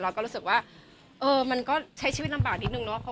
เราก็รู้สึกว่าเออมันก็ใช้ชีวิตลำบากนิดนึงเนาะ